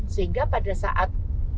sehingga pada saat